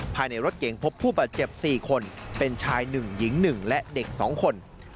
ภายในรถเก๋งพบผู้แบบเจ็บสี่คนเป็นชายหนึ่งหญิงหนึ่งและเด็กสองคน